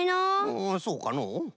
おおそうかのう？